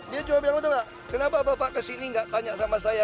dia cuma bilang kenapa bapak kesini nggak tanya sama saya